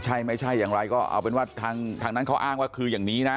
ใช่ไม่ใช่อย่างไรก็เอาเป็นว่าทางนั้นเขาอ้างว่าคืออย่างนี้นะ